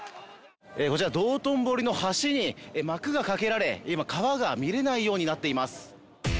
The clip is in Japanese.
こちら、道頓堀の橋に幕が掛けられ、今、川が見れないようになっています。